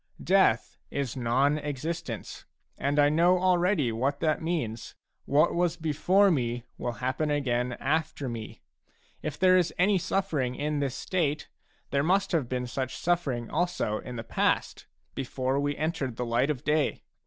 Death is non existence, and I know already what that means. What was before me will happen again after me. If there is any sufFering in this state, there must have been such sufFering also in the past^ before we entered the light of day.